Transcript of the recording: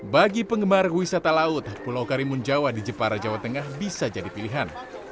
bagi penggemar wisata laut pulau karimun jawa di jepara jawa tengah bisa jadi pilihan